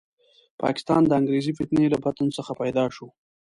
پاکستان د انګریزي فتنې له بطن څخه پیدا شو.